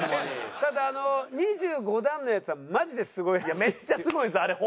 ただ２５段のやつはマジですごいらしいですよ。